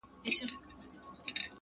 مُلا سړی سو په خپل وعظ کي نجلۍ ته ويل”